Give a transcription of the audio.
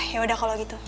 yaudah kalau gitu